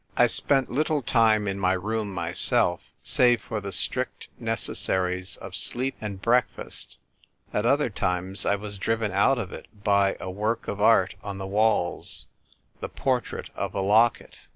I spent little time in my room myself, save for the strict necessaries of sleep and break fast ; at other times I was driven out of it by a work of art on the walls — the Portrait of a Locket.